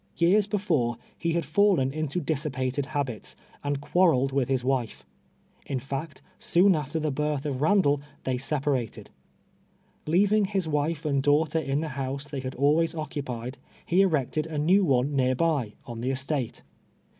Years be fore, he had fallen into dissipated habits, and quarrel ed with his wife. In fact, soon after the birth of JJandall, they separated. Lt'avinghis wife and {laugh ter in the house they had always occupied, he erected a new one near by, on the estate.